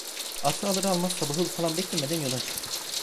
Atı alır almaz sabahı falan beklemeden yola çıktı…